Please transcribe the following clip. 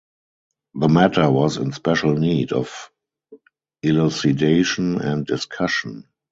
The matter was in special need of elucidation and discussion.